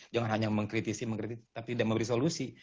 jangan hanya mengkritisi mengkritisi tapi tidak memberi solusi